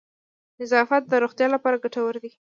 نظافت د روغتیا لپاره گټور دی.